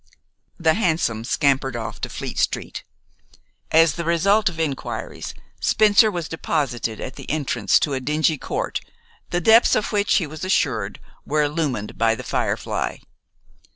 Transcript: The hansom scampered off to Fleet st. As the result of inquiries Spencer was deposited at the entrance to a dingy court, the depths of which, he was assured, were illumined by "The Firefly."